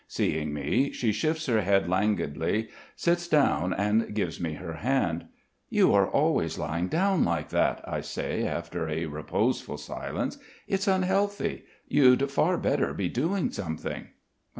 Seeing me she lifts her head languidly, sits down, and gives me her hand. "You are always lying down like that," I say after a reposeful silence. "It's unhealthy. You'd far better be doing something."